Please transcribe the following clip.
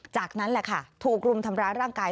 จากนั้นแหละค่ะถูกรุมทำร้ายร่างกาย